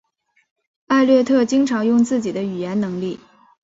艾略特经常用自己的语言能力。